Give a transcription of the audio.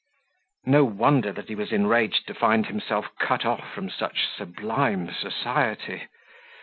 No wonder that he was enraged to find himself cut off from such sublime society.